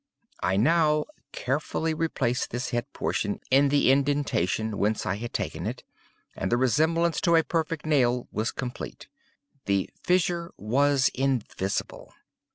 I now carefully replaced this head portion in the indentation whence I had taken it, and the resemblance to a perfect nail was complete—the fissure was invisible.